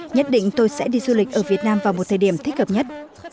nhất định tôi sẽ đi du lịch ở việt nam vào một thời điểm thích hợp nhất